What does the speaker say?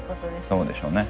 そうでしょうね。